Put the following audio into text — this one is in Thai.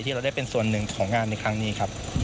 เราได้เป็นส่วนหนึ่งของงานในครั้งนี้ครับ